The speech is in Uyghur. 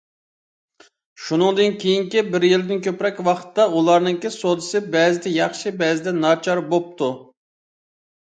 شۇنىڭدىن كېيىنكى بىر يىلدىن كۆپرەك ۋاقىتتا، ئۇلارنىڭ سودىسى بەزىدە ياخشى، بەزىدە ناچار بوپتۇ.